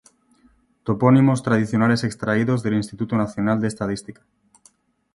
Topónimos tradicionales extraídos del Instituto Nacional de Estadística.